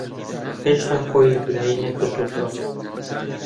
ھێشتا خۆی یەکلایی نەکردووەتەوە.